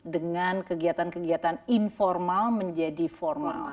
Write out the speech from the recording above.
dengan kegiatan kegiatan informal menjadi formal